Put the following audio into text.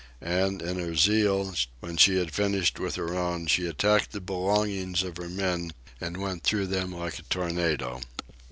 And in her zeal, when she had finished with her own, she attacked the belongings of her men and went through them like a tornado.